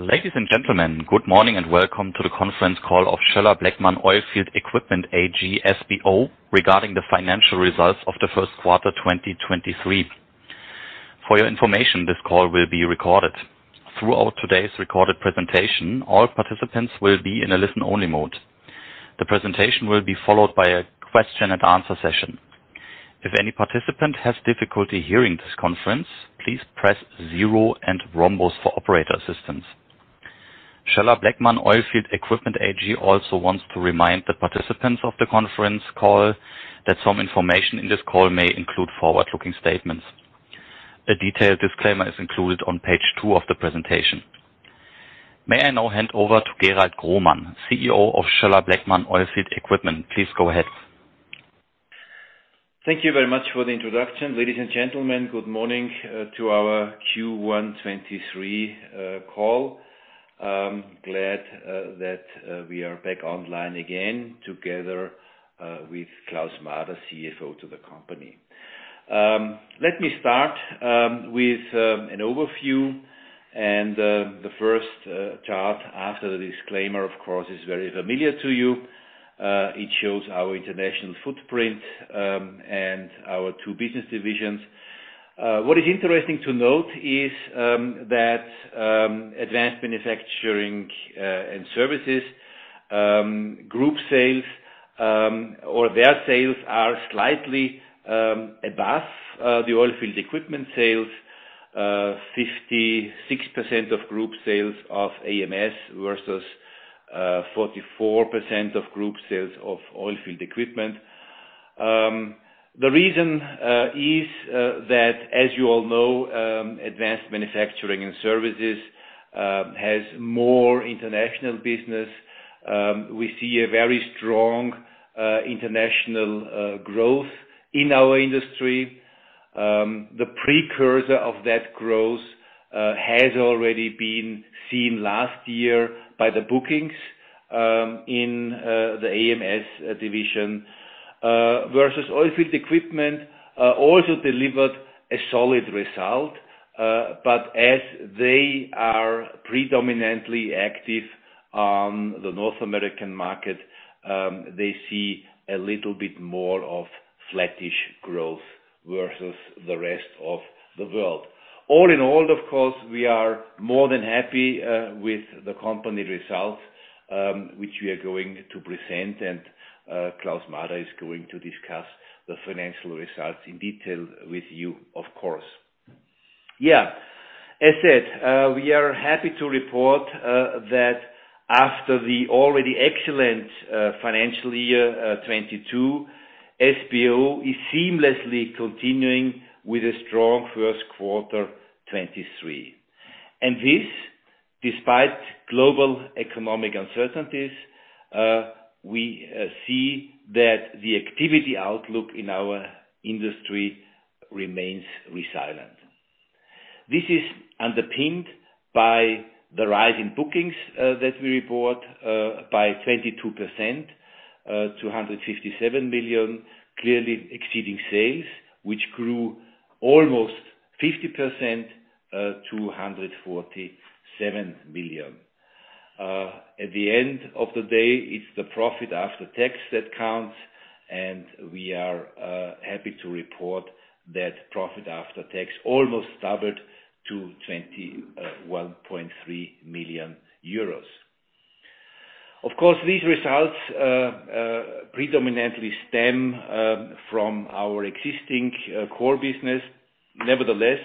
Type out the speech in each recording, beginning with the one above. Ladies and gentlemen, good morning. Welcome to the conference call of Schoeller-Bleckmann Oilfield Equipment AG, SBO, regarding the financial results of the first quarter, 2023. For your information, this call will be recorded. Throughout today's recorded presentation, all participants will be in a listen-only mode. The presentation will be followed by a question and answer session. If any participant has difficulty hearing this conference, please press zero and rhombus for operator assistance. Schoeller-Bleckmann Oilfield Equipment AG also wants to remind the participants of the conference call that some information in this call may include forward-looking statements. A detailed disclaimer is included on page 2 of the presentation. May I now hand over to Gerald Grohmann, CEO of Schoeller-Bleckmann Oilfield Equipment. Please go ahead. Thank you very much for the introduction. Ladies and gentlemen, good morning to our Q1 2023 call. I'm glad that we are back online again together with Klaus Mader, CFO to the company. Let me start with an overview. The first chart after the disclaimer, of course, is very familiar to you. It shows our international footprint and our two business divisions. What is interesting to note is that Advanced Manufacturing & Services group sales or their sales are slightly above the Oilfield Equipment sales. 56% of group sales of AMS versus 44% of group sales of Oilfield Equipment. The reason is that, as you all know, Advanced Manufacturing & Services has more international business. We see a very strong international growth in our industry. The precursor of that growth has already been seen last year by the bookings in the AMS division. Versus Oilfield Equipment also delivered a solid result. As they are predominantly active on the North American market, they see a little bit more of flattish growth versus the rest of the world. All in all, of course, we are more than happy with the company results which we are going to present, Klaus Mader is going to discuss the financial results in detail with you, of course. Yeah. As said, we are happy to report that after the already excellent financial year 2022, SBO is seamlessly continuing with a strong first quarter 2023. This, despite global economic uncertainties, we see that the activity outlook in our industry remains resilient. This is underpinned by the rise in bookings that we report by 22%, 257 million, clearly exceeding sales, which grew almost 50%, to 147 million. At the end of the day, it's the profit after tax that counts, and we are happy to report that profit after tax almost doubled to 21.3 million euros. Of course, these results predominantly stem from our existing core business. Nevertheless,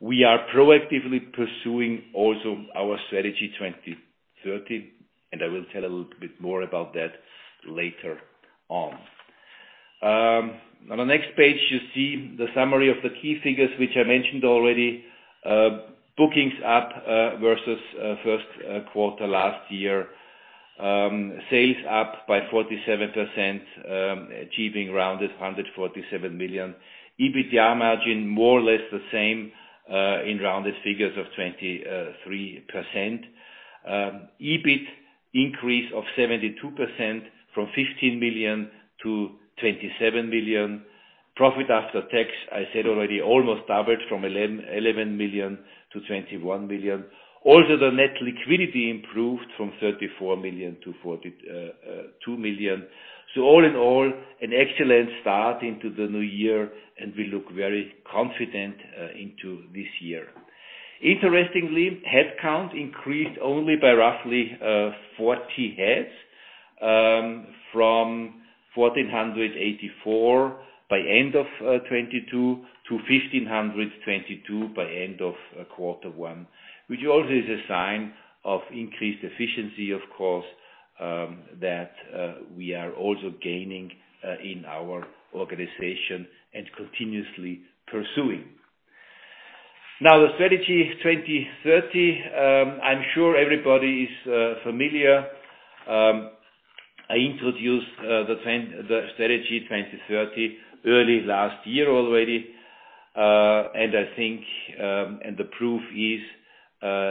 we are proactively pursuing also our Strategy 2030, and I will tell a little bit more about that later on. On the next page, you see the summary of the key figures, which I mentioned already. Bookings up versus first quarter last year. Sales up by 47%, achieving rounded 147 million. EBITDA margin, more or less the same, in rounded figures of 23%. EBIT increase of 72%, from 15 million to 27 million. Profit after tax, I said already, almost doubled from 11 million to 21 million. Also, the net liquidity improved from 34 million to 42 million. All in all, an excellent start into the new year, and we look very confident into this year. Interestingly, headcount increased only by roughly 40 heads, from 1,484 by end of 2022 to 1,522 by end of quarter one, which also is a sign of increased efficiency, of course, that we are also gaining in our organization and continuously pursuing. The Strategy 2030, I'm sure everybody is familiar. I introduced the Strategy 2030 early last year already. I think, and the proof is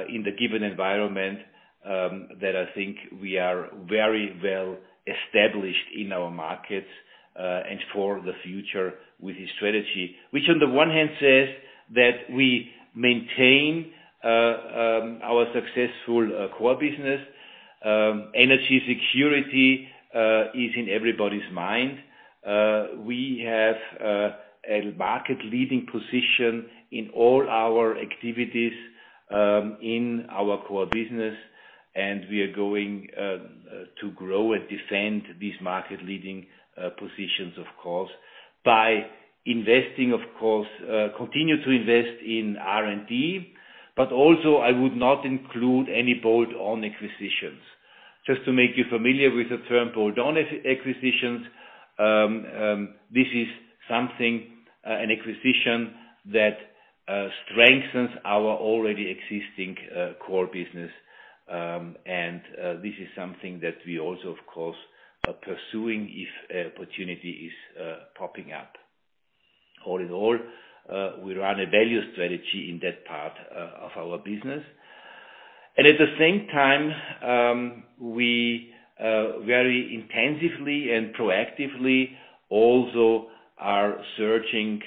in the given environment. That I think we are very well established in our markets and for the future with this strategy. Which on the one hand says that we maintain our successful core business. Energy security is in everybody's mind. We have a market-leading position in all our activities in our core business. We are going to grow and defend these market-leading positions, of course. By investing, of course, continue to invest in R&D. Also I would not include any bolt-on acquisitions. Just to make you familiar with the term bolt-on acquisitions, this is something an acquisition that strengthens our already existing core business. This is something that we also, of course, are pursuing if opportunity is popping up. All in all, we run a value strategy in that part of our business. At the same time, we very intensively and proactively also are searching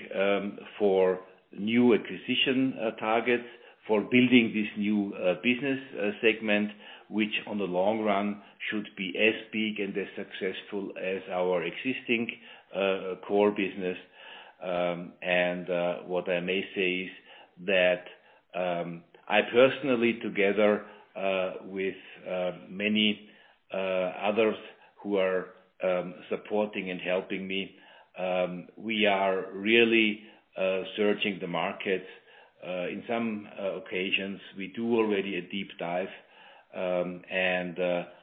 for new acquisition targets for building this new business segment. Which on the long run should be as big and as successful as our existing core business. What I may say is that I personally, together with many others who are supporting and helping me, we are really searching the market. In some occasions, we do already a deep dive, and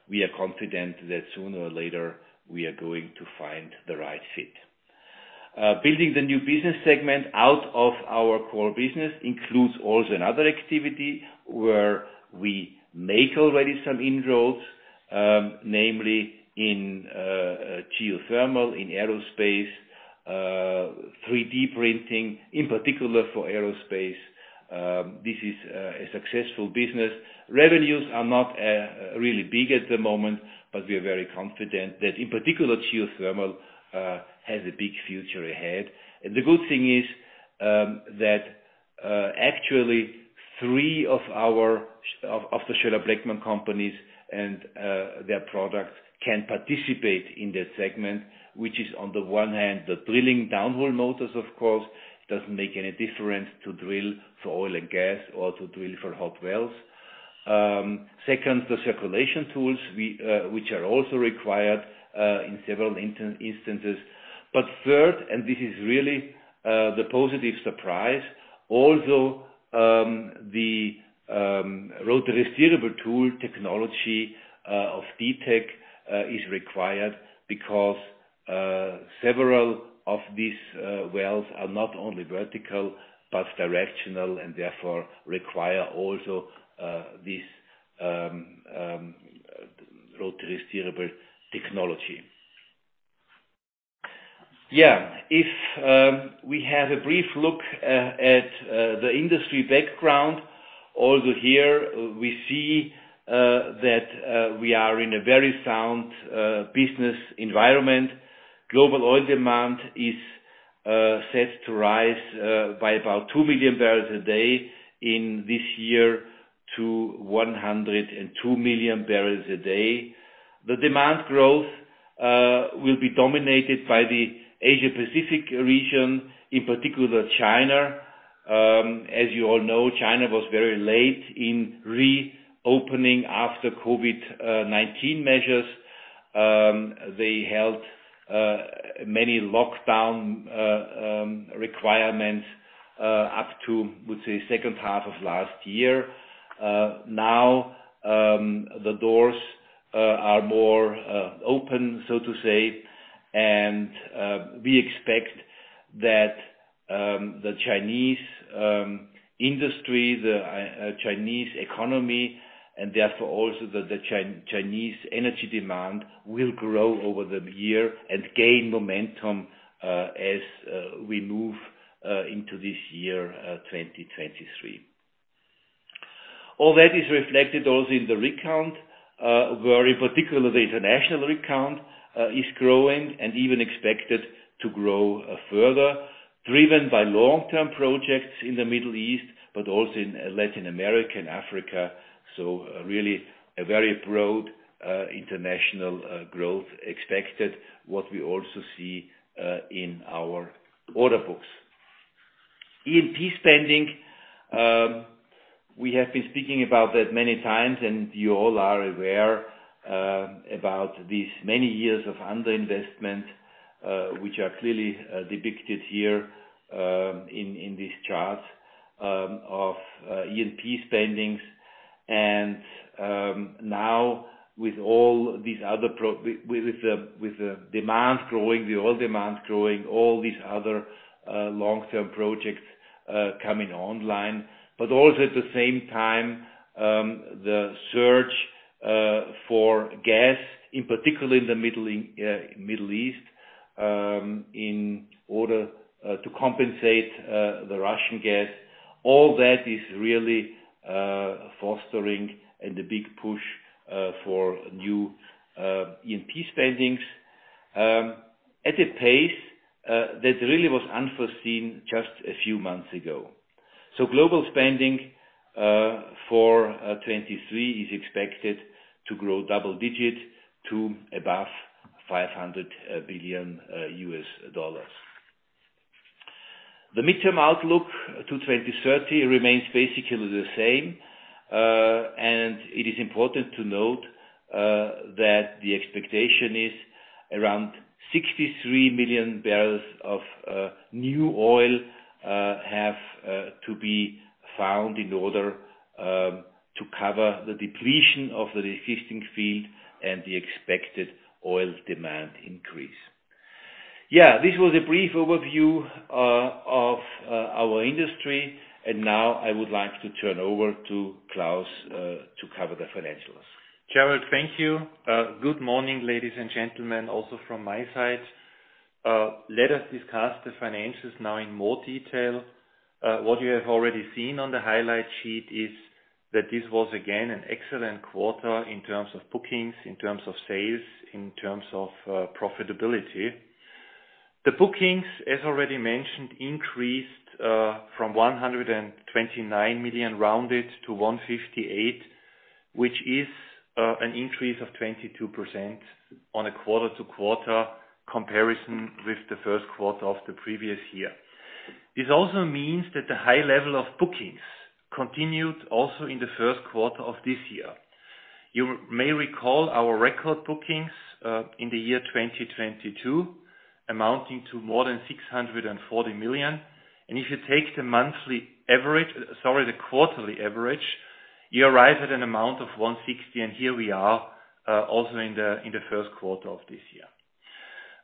we are confident that sooner or later we are going to find the right fit. Building the new business segment out of our core business includes also another activity where we make already some inroads, namely in geothermal, in aerospace, 3D printing, in particular for aerospace. This is a successful business. Revenues are not really big at the moment, but we are very confident that in particular, geothermal has a big future ahead. The good thing is that actually three of our of the Schoeller-Bleckmann companies and their products can participate in that segment. Which is on the one hand, the drilling downhole motors, of course, doesn't make any difference to drill for oil and gas or to drill for hot wells. Second, the circulation tools we which are also required in several instances. Third, and this is really the positive surprise, also, the rotary steerable tool technology of D-Tech is required because several of these wells are not only vertical but directional and therefore require also this rotary steerable technology. Yeah. If we have a brief look at the industry background, also here we see that we are in a very sound business environment. Global oil demand is set to rise by about 2 million barrels a day in this year to 102 million barrels a day. The demand growth will be dominated by the Asia-Pacific region, in particular China. As you all know, China was very late in reopening after COVID-19 measures. They held many lockdown requirements up to, I would say, second half of last year. Now, the doors are more open, so to say. We expect that the Chinese industry, the Chinese economy, and therefore also the Chinese energy demand will grow over the year and gain momentum as we move into this year, 2023. All that is reflected also in the rig count, where in particular the international rig count is growing and even expected to grow further, driven by long-term projects in the Middle East, but also in Latin America and Africa. Really a very broad international growth expected, what we also see in our order books. E&P spending, we have been speaking about that many times, and you all are aware about these many years of underinvestment, which are clearly depicted here in this chart of E&P spendings. Now with all these other with the demand growing, the oil demand growing, all these other long-term projects coming online. Also at the same time, the search for gas, in particular in the Middle East. In order to compensate the Russian gas, all that is really fostering and the big push for new E&P spendings at a pace that really was unforeseen just a few months ago. Global spending for 23 is expected to grow double digit to above $500 billion. The midterm outlook to 2030 remains basically the same. It is important to note that the expectation is around 63 million barrels of new oil have to be found in order to cover the depletion of the existing field and the expected oil demand increase. This was a brief overview of our industry. Now I would like to turn over to Klaus to cover the financials. Gerald, thank you. Good morning, ladies and gentlemen, also from my side. Let us discuss the financials now in more detail. What you have already seen on the highlight sheet is that this was again an excellent quarter in terms of bookings, in terms of sales, in terms of profitability. The bookings, as already mentioned, increased from 129 million rounded to 158 million, which is an increase of 22% on a quarter-to-quarter comparison with the first quarter of the previous year. This also means that the high level of bookings continued also in the first quarter of this year. You may recall our record bookings in the year 2022 amounting to more than 640 million. If you take the monthly average, sorry, the quarterly average, you arrive at an amount of 160. Here we are also in the first quarter of this year.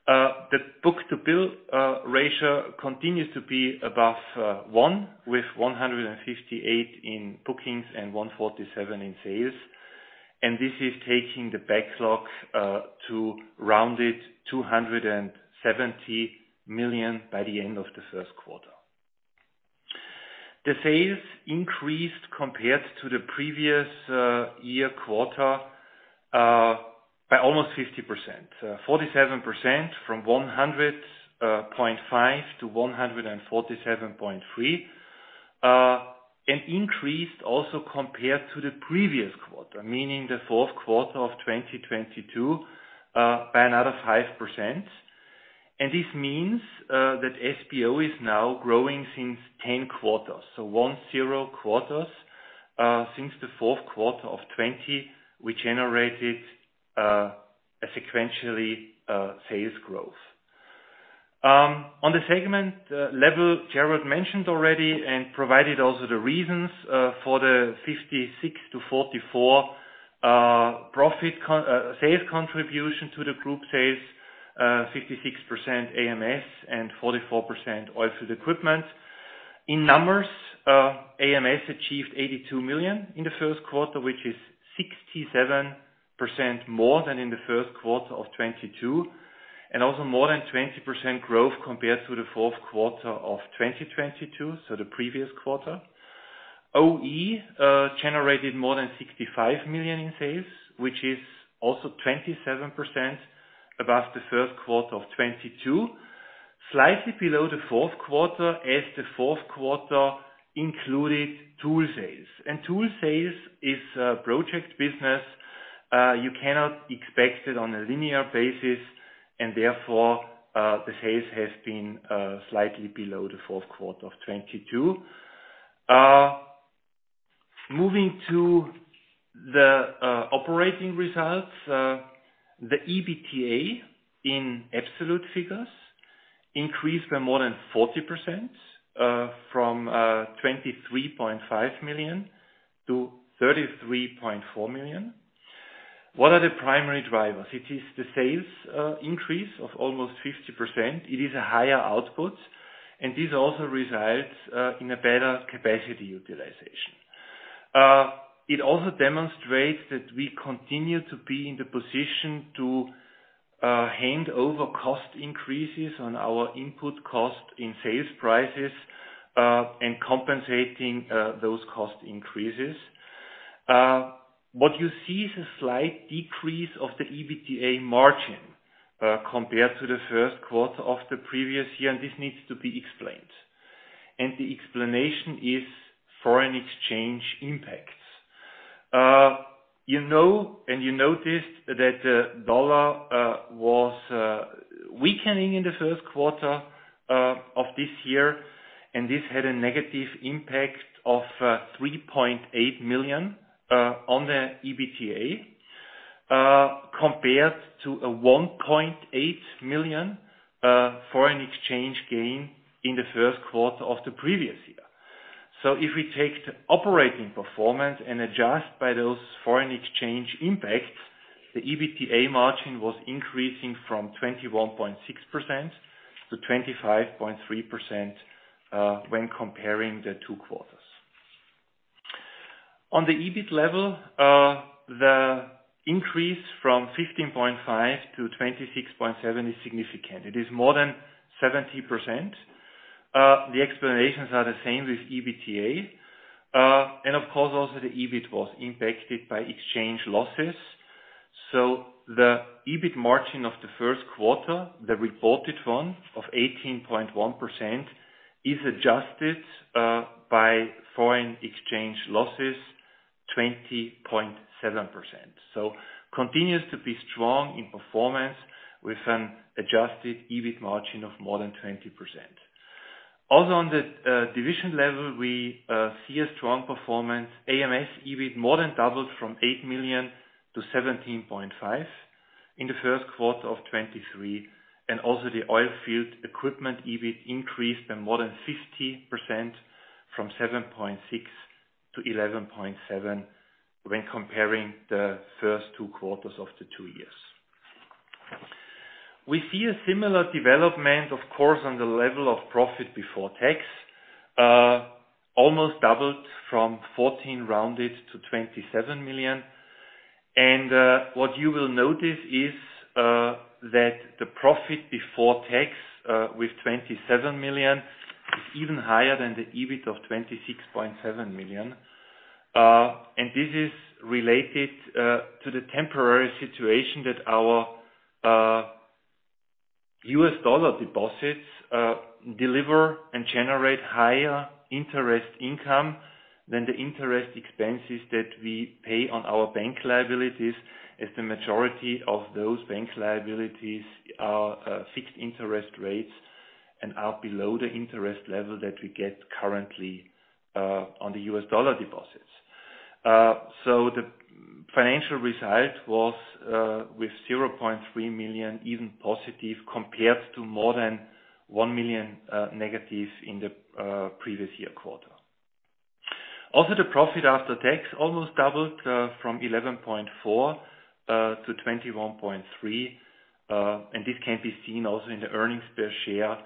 The book-to-bill ratio continues to be above one, with 158 in bookings and 147 in sales. This is taking the backlog to rounded 270 million by the end of the first quarter. The sales increased compared to the previous year quarter by almost 50%. 47% from 100.5 to 147.3. Increased also compared to the previous quarter, meaning the fourth quarter of 2022, by another 5%. This means that SBO is now growing since 10 quarters. 10 quarters, since the fourth quarter of 2020, we generated a sequentially sales growth. On the segment level, Gerald mentioned already and provided also the reasons for the 56% to 44% sales contribution to the group sales, 56% AMS and 44% Oilfield Equipment. In numbers, AMS achieved 82 million in the first quarter, which is 67% more than in the first quarter of 2022, and also more than 20% growth compared to the fourth quarter of 2022, so the previous quarter. OE generated more than 65 million in sales, which is also 27% above the first quarter of 2022, slightly below the fourth quarter, as the fourth quarter included tool sales. Tool sales is a project business, you cannot expect it on a linear basis, and therefore, the sales has been slightly below the fourth quarter of 2022. Moving to the operating results. The EBITDA in absolute figures increased by more than 40%, from 23.5 million to 33.4 million. What are the primary drivers? It is the sales increase of almost 50%. It is a higher output, and this also results in a better capacity utilization. It also demonstrates that we continue to be in the position to hand over cost increases on our input cost in sales prices, and compensating those cost increases. What you see is a slight decrease of the EBITDA margin compared to the first quarter of the previous year, and this needs to be explained. The explanation is foreign exchange impacts. You know, you noticed that the dollar was weakening in the first quarter of this year, and this had a negative impact of $3.8 million on the EBITDA compared to a $1.8 million foreign exchange gain in the first quarter of the previous year. If we take the operating performance and adjust by those foreign exchange impacts, the EBITDA margin was increasing from 21.6% to 25.3% when comparing the two quarters. On the EBIT level, the increase from 15.5 to 26.7 is significant. It is more than 70%. The explanations are the same with EBITDA. Of course, also the EBIT was impacted by exchange losses. The EBIT margin of the first quarter, the reported one of 18.1% is adjusted by foreign exchange losses, 20.7%. Continues to be strong in performance with an adjusted EBIT margin of more than 20%. Also, on the division level, we see a strong performance. AMS EBIT more than doubled from 8 million to 17.5 million in the first quarter of 2023, and also the Oilfield Equipment EBIT increased by more than 50% from 7.6 million to 11.7 million when comparing the first 2 quarters of the 2 years. We see a similar development, of course, on the level of profit before tax, almost doubled from 14 million to 27 million. What you will notice is that the profit before tax, with $27 million is even higher than the EBIT of $26.7 million. This is related to the temporary situation that our US dollar deposits deliver and generate higher interest income than the interest expenses that we pay on our bank liabilities, as the majority of those bank liabilities are fixed interest rates and are below the interest level that we get currently on the US dollar deposits. The financial result was with $0.3 million, even positive, compared to more than $1 million negative in the previous year quarter. The profit after tax almost doubled from 11.4 to 21.3. This can be seen also in the earnings per share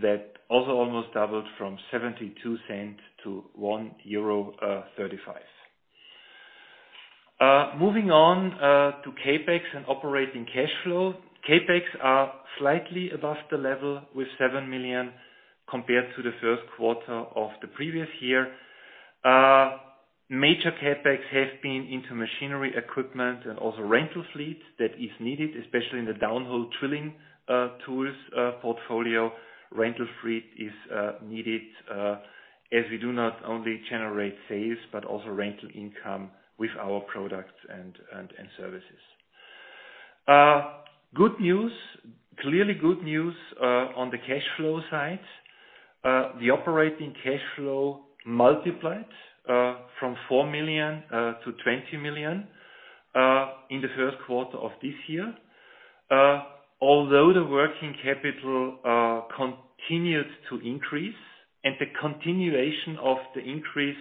that also almost doubled from 0.72 to 1.35 euro. Moving on to CapEx and operating cash flow. CapEx are slightly above the level with 7 million compared to the first quarter of the previous year. Major CapEx have been into machinery equipment and also rental fleet that is needed, especially in the downhole drilling tools portfolio. Rental fleet is needed as we do not only generate sales but also rental income with our products and services. Good news. Clearly good news on the cash flow side. The operating cash flow multiplied from 4 million to 20 million in the first quarter of this year. Although the working capital continued to increase and the continuation of the increase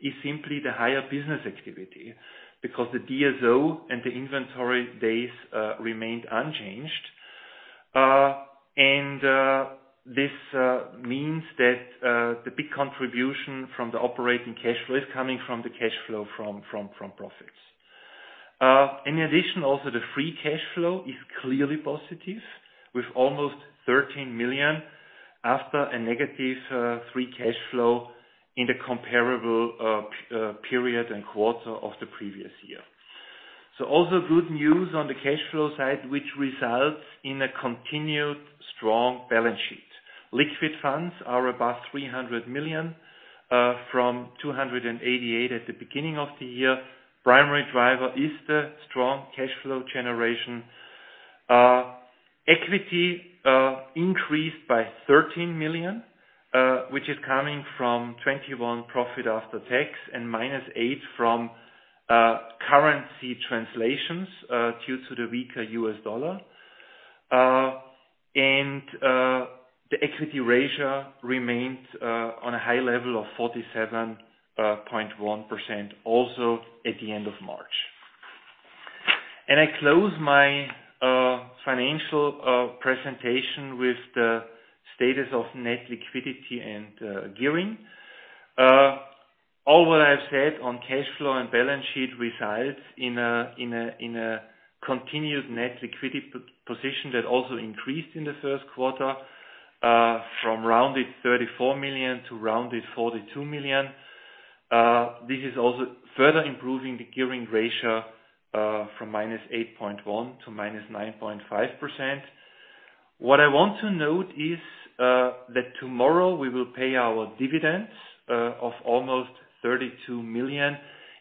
is simply the higher business activity because the DSO and the inventory days remained unchanged. This means that the big contribution from the operating cash flow is coming from the cash flow from profits. In addition, also the free cash flow is clearly positive with almost 13 million after a negative free cash flow in the comparable period and quarter of the previous year. Also good news on the cash flow side, which results in a continued strong balance sheet. Liquid funds are above 300 million from 288 million at the beginning of the year. Primary driver is the strong cash flow generation. Equity increased by 13 million, which is coming from 21 profit after tax and -8 from currency translations due to the weaker US dollar. The equity ratio remained on a high level of 47.1% also at the end of March. I close my financial presentation with the status of net liquidity and gearing. All what I've said on cash flow and balance sheet resides in a continued net liquidity position that also increased in the first quarter, from rounded 34 million to rounded 42 million. This is also further improving the gearing ratio, from -8.1% to -9.5%. What I want to note is, that tomorrow we will pay our dividends, of almost 32 million,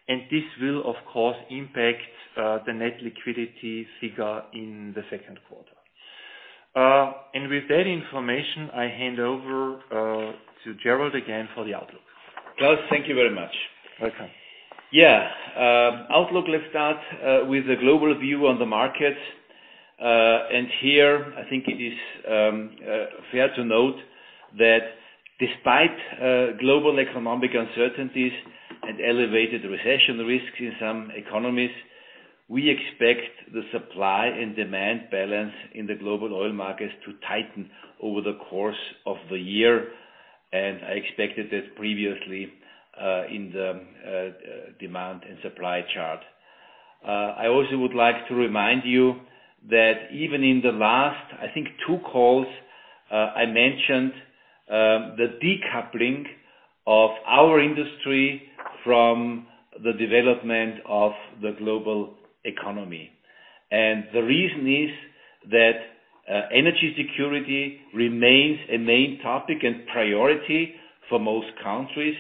and this will of course impact, the net liquidity figure in the second quarter. With that information, I hand over, to Gerald again for the outlook. Klaus, thank you very much. Welcome. Yeah. outlook. Let's start with the global view on the market. Here I think it is fair to note that despite global economic uncertainties and elevated recession risks in some economies. We expect the supply and demand balance in the global oil markets to tighten over the course of the year, and I expected this previously in the demand and supply chart. I also would like to remind you that even in the last, I think, two calls, I mentioned the decoupling of our industry from the development of the global economy. The reason is that energy security remains a main topic and priority for most countries,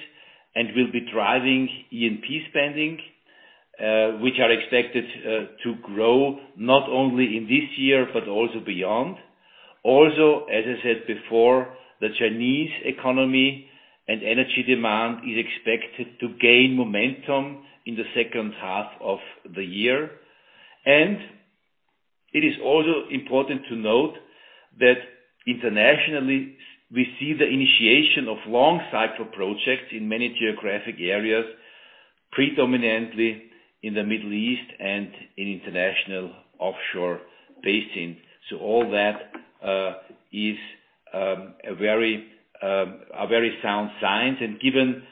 and will be driving E&P spending, which are expected to grow not only in this year, but also beyond. As I said before, the Chinese economy and energy demand is expected to gain momentum in the second half of the year. It is also important to note that internationally, we see the initiation of long-cycle projects in many geographic areas, predominantly in the Middle East and in international offshore basins. All that is a very sound signs. Given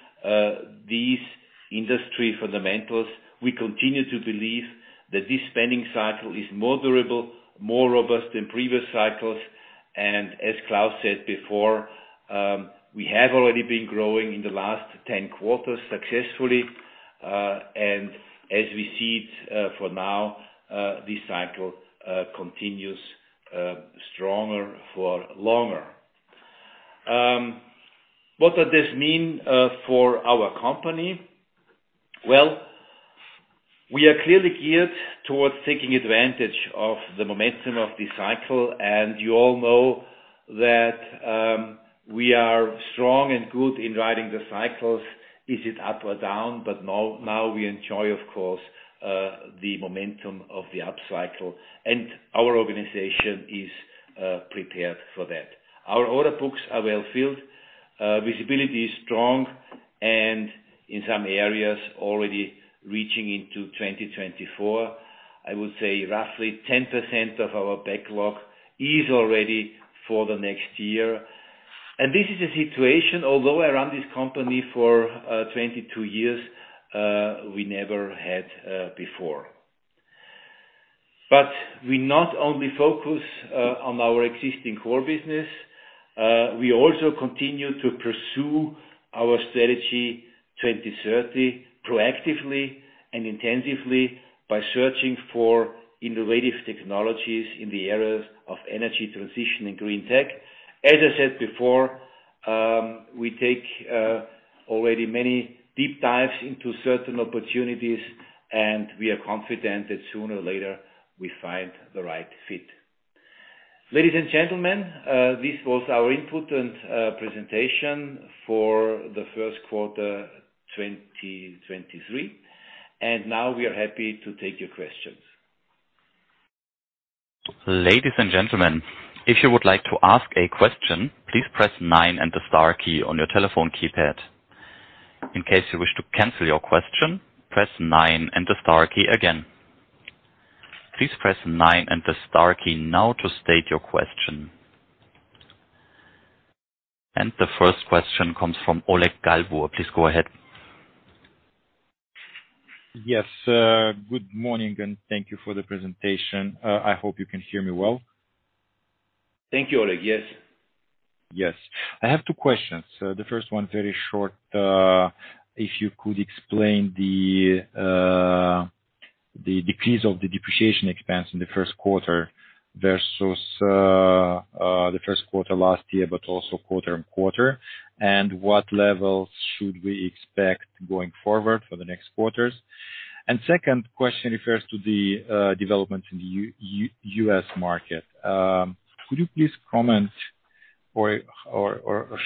these industry fundamentals, we continue to believe that this spending cycle is more durable, more robust than previous cycles. As Klaus said before, we have already been growing in the last 10 quarters successfully. As we see it, for now, this cycle continues stronger for longer. What does this mean for our company? Well, we are clearly geared towards taking advantage of the momentum of this cycle. You all know that we are strong and good in riding the cycles, be it up or down. Now, now we enjoy, of course, the momentum of the upcycle, and our organization is prepared for that. Our order books are well-filled, visibility is strong, and in some areas already reaching into 2024. I would say roughly 10% of our backlog is already for the next year. This is a situation, although I run this company for 22 years, we never had before. We not only focus on our existing core business, we also continue to pursue our Strategy 2030 proactively and intensively by searching for innovative technologies in the areas of energy transition and green tech. As I said before, we take already many deep dives into certain opportunities, and we are confident that sooner or later we find the right fit. Ladies and gentlemen, this was our input and presentation for the first quarter 2023. Now we are happy to take your questions. Ladies and gentlemen, if you would like to ask a question, please press nine and the star key on your telephone keypad. In case you wish to cancel your question, press nine and the star key again. Please press nine and the star key now to state your question. The first question comes from Oleg Galbur. Please go ahead. Yes, good morning, and thank you for the presentation. I hope you can hear me well. Thank you, Oleg. Yes. Yes. I have two questions. The first one very short. If you could explain the decrease of the depreciation expense in the first quarter versus the first quarter last year, but also quarter-over-quarter. What levels should we expect going forward for the next quarters? Second question refers to the development in the U.S. market. Could you please comment or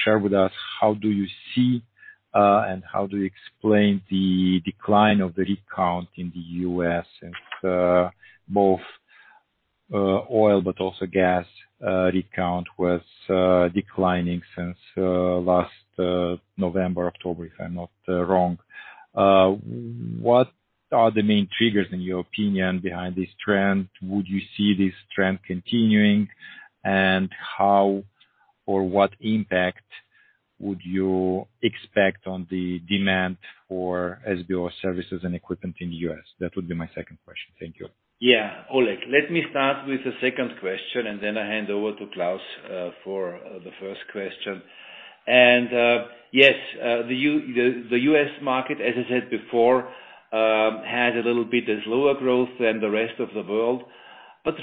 share with us how do you see and how do you explain the decline of the rig count in the U.S. and both oil but also gas rig count was declining since last November, October, if I'm not wrong. What are the main triggers, in your opinion, behind this trend? Would you see this trend continuing? How or what impact would you expect on the demand for SBO services and equipment in the U.S.? That would be my second question. Thank you. Yeah. Oleg, let me start with the second question, and then I hand over to Klaus for the first question. Yes, the US market, as I said before, had a little bit as lower growth than the rest of the world.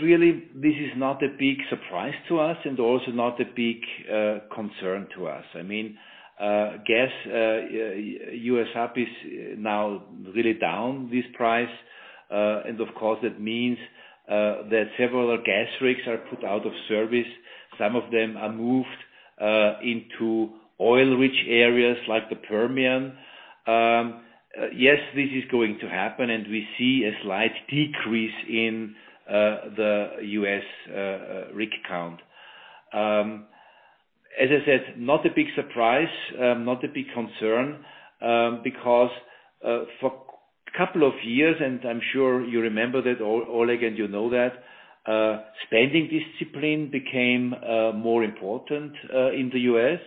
Really, this is not a big surprise to us and also not a big concern to us. I mean, gas US hub is now really down this price. Of course that means that several gas rigs are put out of service. Some of them are moved into oil-rich areas like the Permian. Yes, this is going to happen, and we see a slight decrease in the US rig count. As I said, not a big surprise, not a big concern, because for couple of years, and I'm sure you remember that, Oleg, and you know that, spending discipline became more important in the U.S.,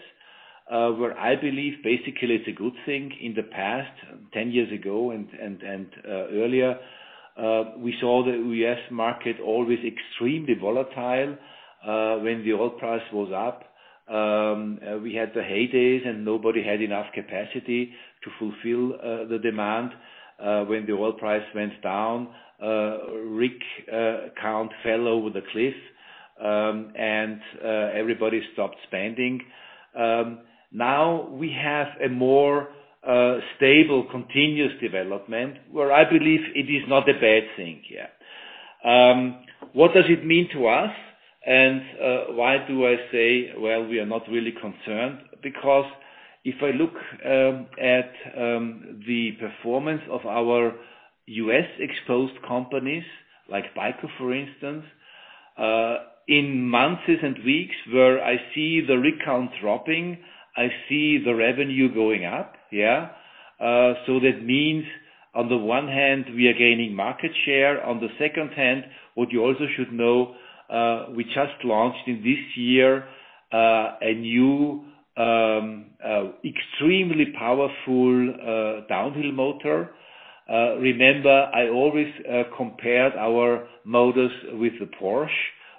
where I believe basically it's a good thing. In the past, 10 years ago and earlier, we saw the U.S. market always extremely volatile. When the oil price was up, we had the heydays and nobody had enough capacity to fulfill the demand. When the oil price went down, rig count fell over the cliff, and everybody stopped spending. Now we have a more stable, continuous development where I believe it is not a bad thing, yeah. What does it mean to us and why do I say, well, we are not really concerned? If I look at the performance of our U.S. exposed companies, like BICO, for instance, in months and weeks where I see the rig count dropping, I see the revenue going up, yeah. That means on the one hand, we are gaining market share. On the second hand, what you also should know, we just launched in this year a new extremely powerful downhole motor. Remember, I always compared our motors with the Porsche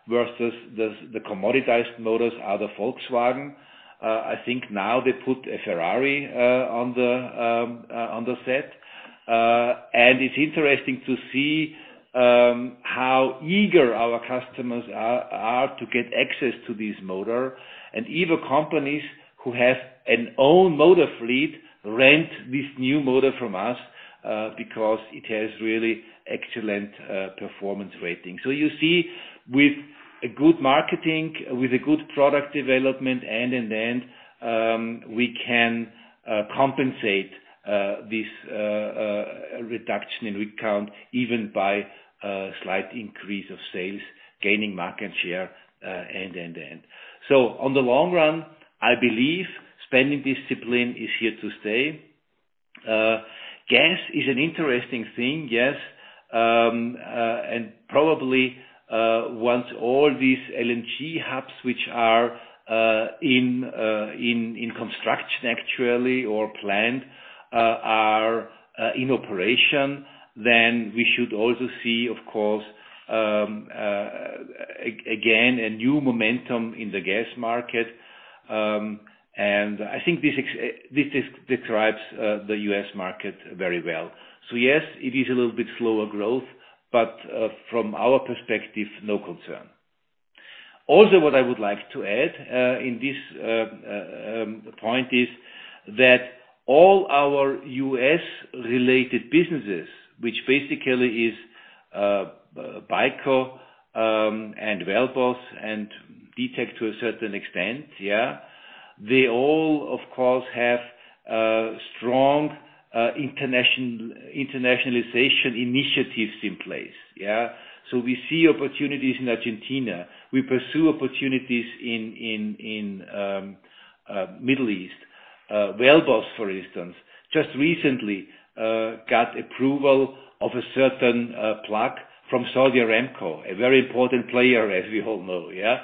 versus the commoditized motors are the Volkswagen. I think now they put a Ferrari on the on the set. It's interesting to see how eager our customers are to get access to this motor. Even companies who have an own rental fleet rent this new motor from us, because it has really excellent performance rating. You see with a good marketing, with a good product development, end to end, we can compensate this reduction in rig count even by a slight increase of sales, gaining market share, end to end. On the long run, I believe spending discipline is here to stay. Gas is an interesting thing, yes. Probably, once all these LNG hubs, which are in construction actually, or planned, are in operation, we should also see, of course, again, a new momentum in the gas market. I think this describes the US market very well. Yes, it is a little bit slower growth, but from our perspective, no concern. What I would like to add in this point is that all our U.S. related businesses, which basically is BICO and WellBoss and D-Tech to a certain extent, yeah, they all, of course, have strong internationalization initiatives in place, yeah. We see opportunities in Argentina. We pursue opportunities in Middle East. WellBoss, for instance, just recently got approval of a certain plug from Saudi Aramco, a very important player, as we all know, yeah.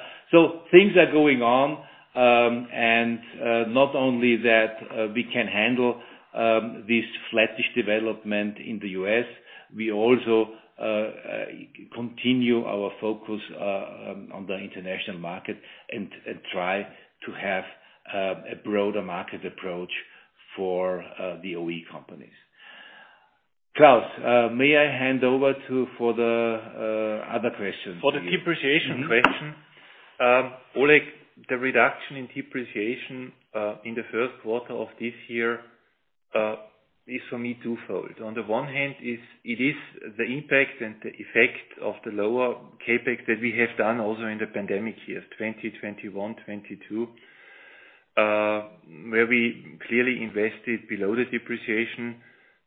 things are going on, and not only that, we can handle this flattish development in the U.S., we also continue our focus on the international market and try to have a broader market approach for the OE companies. Klaus, may I hand over to for the other questions? For the depreciation question. Mm-hmm. Oleg, the reduction in depreciation in the first quarter of this year is for me twofold. On the one hand, it is the impact and the effect of the lower CapEx that we have done also in the pandemic year of 2021, 2022, where we clearly invested below the depreciation.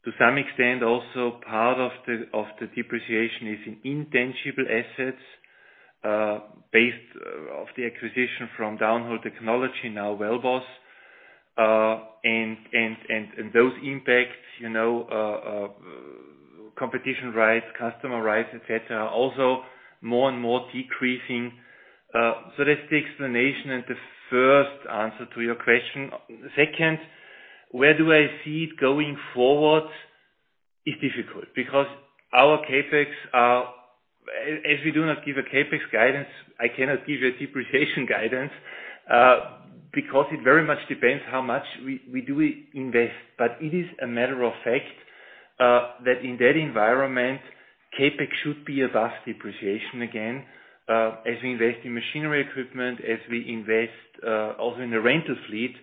To some extent, also part of the depreciation is in intangible assets, based of the acquisition from Downhole Technology, now WellBoss. Those impacts, you know, competition rights, customer rights, etc., also more and more decreasing. That's the explanation and the first answer to your question. Second, where do I see it going forward is difficult because our CapEx are... As we do not give a CapEx guidance, I cannot give a depreciation guidance, because it very much depends how much we do invest. It is a matter of fact, that in that environment, CapEx should be above depreciation again, as we invest in machinery equipment, as we invest, also in the rental fleet.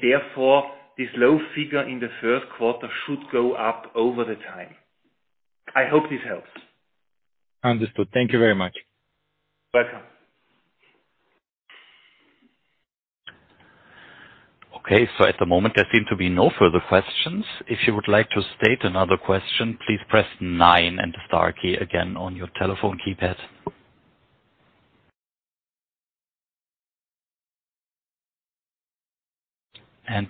Therefore, this low figure in the first quarter should go up over the time. I hope this helps. Understood. Thank you very much. Welcome. Okay. At the moment there seem to be no further questions. If you would like to state another question, please press 9 and the star key again on your telephone keypad.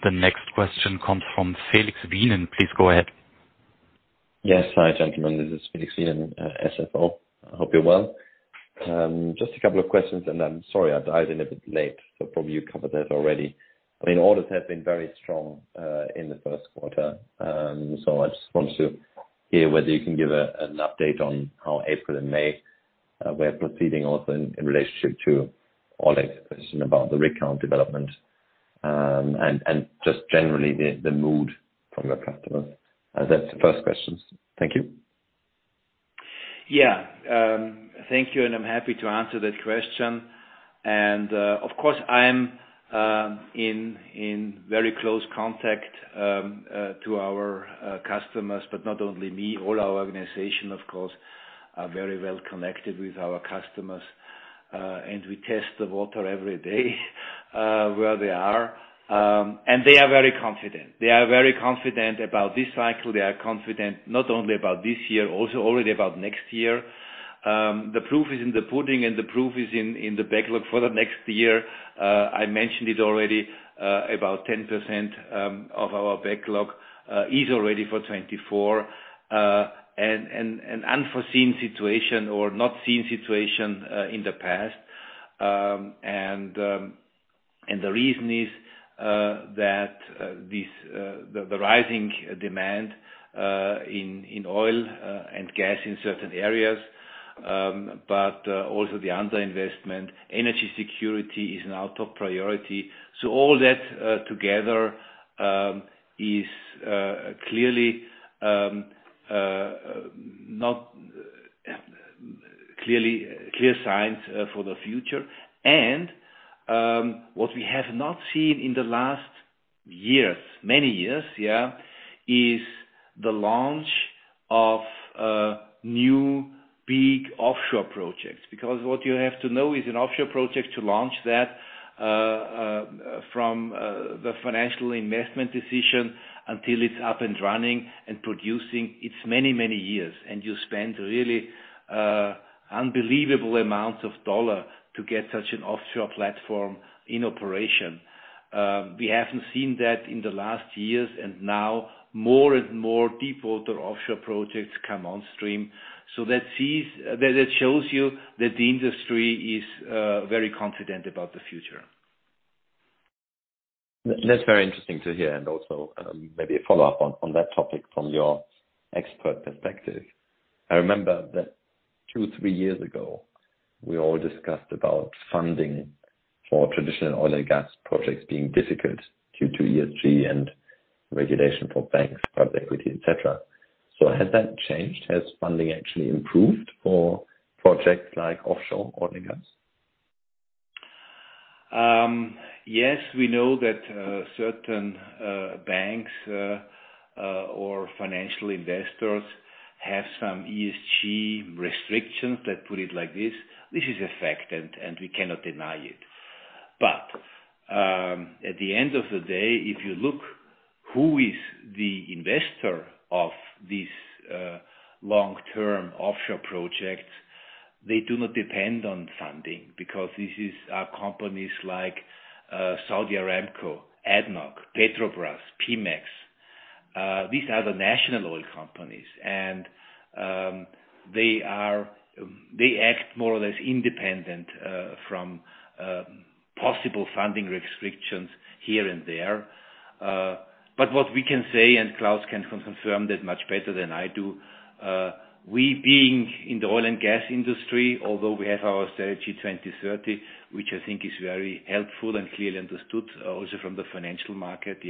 The next question comes from Felix Weinlein. Please go ahead. Yes. Hi, gentlemen. This is Felix Weinlein, SFO. I hope you're well. Just a couple of questions, and I'm sorry I dialed in a bit late. Probably you covered that already. I mean, orders have been very strong in the first quarter. I just want to hear whether you can give an update on how April and May were proceeding also in relationship to Oleg's question about the rig count development, and just generally the mood from your customers. That's the first questions. Thank you. Yeah. Thank you, I'm happy to answer that question. Of course, I am in very close contact to our customers, but not only me. All our organization, of course, are very well connected with our customers, and we test the water every day where they are. They are very confident. They are very confident about this cycle. They are confident not only about this year, also already about next year. The proof is in the pudding, and the proof is in the backlog for the next year. I mentioned it already, about 10% of our backlog is already for 2024, and an unforeseen situation or not seen situation in the past. The reason is that this the rising demand in oil and gas in certain areas, also the underinvestment, energy security is now top priority. All that together is clearly not clearly clear signs for the future. What we have not seen in the last years, many years, is the launch of new big offshore projects. What you have to know is an offshore project to launch that from the financial investment decision until it's up and running and producing, it's many, many years, and you spend really unbelievable amounts of U.S. dollars to get such an offshore platform in operation. We haven't seen that in the last years, and now more and more deepwater offshore projects come on stream. That it shows you that the industry is very confident about the future. That's very interesting to hear and also, maybe a follow-up on that topic from your expert perspective. I remember that two, three years ago, we all discussed about funding for traditional oil and gas projects being difficult due to ESG and regulation for banks, private equity, et cetera. Has that changed? Has funding actually improved for projects like offshore oil and gas? Yes, we know that certain banks or financial investors have some ESG restrictions that put it like this. This is a fact, and we cannot deny it. At the end of the day, if you look who is the investor of these long-term offshore projects, they do not depend on funding because this is companies like Saudi Aramco, ADNOC, Petrobras, Pemex. These are the national oil companies, and they act more or less independent from possible funding restrictions here and there. What we can say, and Klaus can confirm that much better than I do, we being in the oil and gas industry, although we have our Strategy 2030, which I think is very helpful and clearly understood also from the financial market.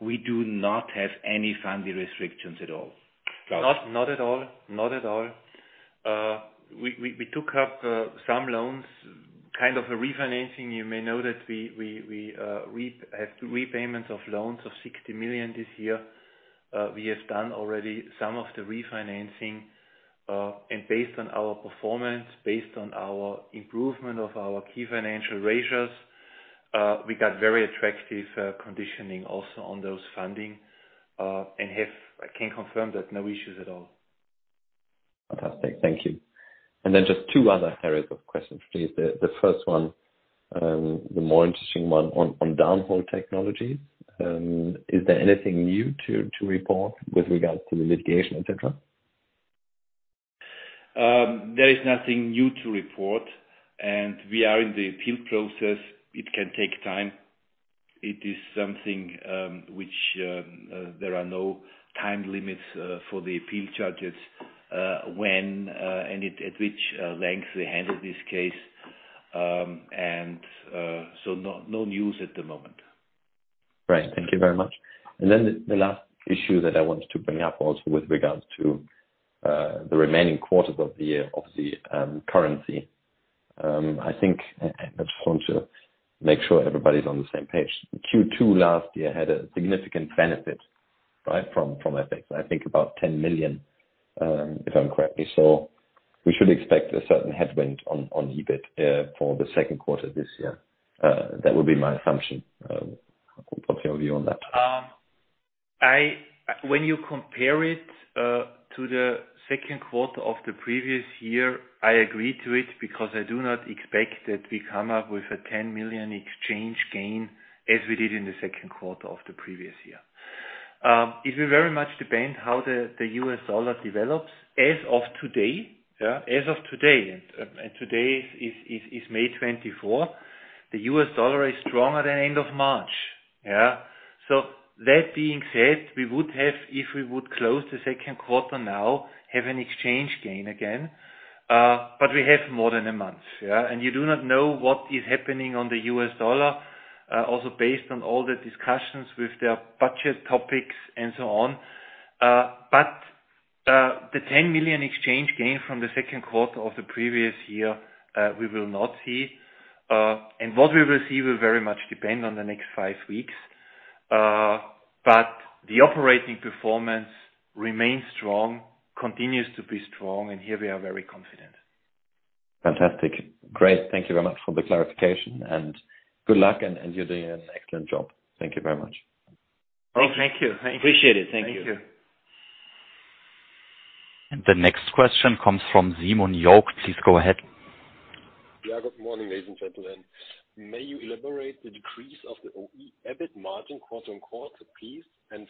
We do not have any funding restrictions at all. Klaus? Not at all. Not at all. We took up some loans, kind of a refinancing. You may know that we have repayments of loans of 60 million this year. We have done already some of the refinancing. Based on our performance, based on our improvement of our key financial ratios, we got very attractive conditioning also on those funding. I can confirm that no issues at all. Fantastic. Thank you. Just two other areas of questions, please. The first one, the more interesting one on Downhole Technology. Is there anything new to report with regards to the litigation, et cetera? There is nothing new to report, and we are in the appeal process. It can take time. It is something which there are no time limits for the appeal judges when at which length they handle this case. No news at the moment. Right. Thank you very much. The last issue that I wanted to bring up also with regards to the remaining quarters of the year, obviously, currency. I think, I just want to make sure everybody's on the same page. Q2 last year had a significant benefit, right, from FX. I think about 10 million, if I'm correctly so. We should expect a certain headwind on EBIT for the second quarter this year. That would be my assumption. What's your view on that? When you compare it to the second quarter of the previous year, I agree to it because I do not expect that we come up with a $10 million exchange gain as we did in the second quarter of the previous year. It will very much depend how the US dollar develops. As of today, as of today is May 24th, the US dollar is stronger than end of March. Yeah? That being said, we would have, if we would close the second quarter now, have an exchange gain again, but we have more than a month. You do not know what is happening on the US dollar, also based on all the discussions with their budget topics and so on. The 10 million exchange gain from the second quarter of the previous year, we will not see. What we will see will very much depend on the next five weeks. The operating performance remains strong, continues to be strong, and here we are very confident. Fantastic. Great. Thank you very much for the clarification and good luck and you're doing an excellent job. Thank you very much. Okay. Thank you. Appreciate it. Thank you. Thank you. The next question comes from Simon Jork. Please go ahead. Yeah. Good morning, ladies and gentlemen. May you elaborate the decrease of the OE EBIT margin quarter-over-quarter, please?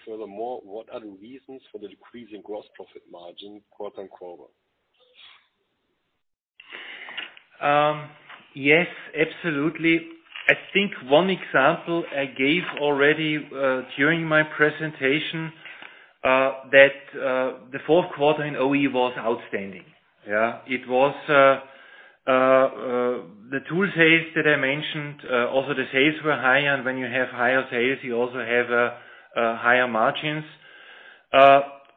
Furthermore, what are the reasons for the decrease in gross profit margin quarter-over-quarter? Yes, absolutely. I think one example I gave already during my presentation that the fourth quarter in OE was outstanding. Yeah. It was the tool sales that I mentioned, also the sales were higher, and when you have higher sales, you also have higher margins.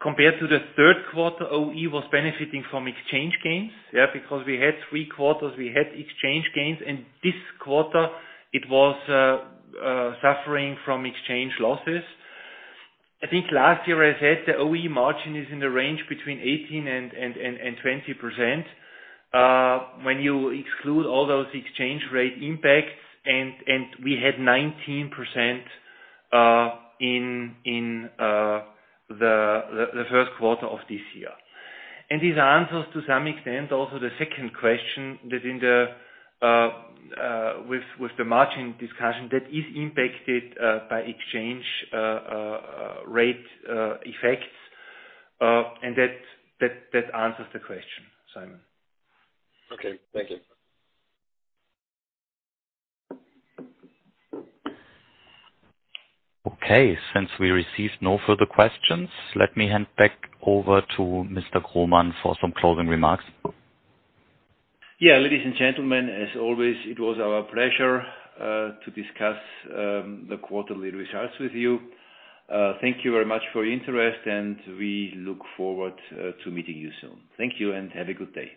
Compared to the third quarter, OE was benefiting from exchange gains, yeah. Because we had three quarters, we had exchange gains, and this quarter it was suffering from exchange losses. I think last year I said, the OE margin is in the range between 18% and 20% when you exclude all those exchange rate impacts and we had 19% in the first quarter of this year. This answers to some extent also the second question that in the with the margin discussion, that is impacted by exchange rate effects, and that answers the question, Simon. Okay. Thank you. Okay. Since we received no further questions, let me hand back over to Mr. Grohmann for some closing remarks. Ladies and gentlemen, as always, it was our pleasure to discuss the quarterly results with you. Thank you very much for your interest. We look forward to meeting you soon. Thank you. Have a good day.